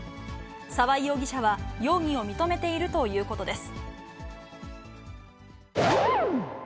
沢井容疑者は、容疑を認めているということです。